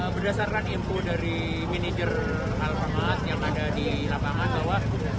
berdasarkan info dari manajer alpharmat yang ada di lapangan bahwa